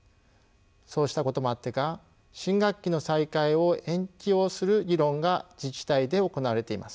そうしたこともあってか新学期の再開を延期をする議論が自治体で行われています。